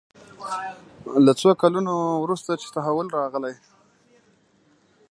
له څو کلونو وروسته چې تحول راغلی.